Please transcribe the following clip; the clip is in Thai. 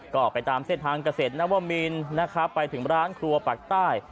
ก็ไปตามเส้นทางเกษตรนวมินนะครับไปถึงร้านครัวปากใต้